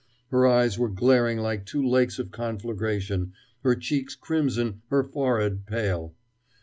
Her eyes were glaring like two lakes of conflagration, her cheeks crimson, her forehead pale.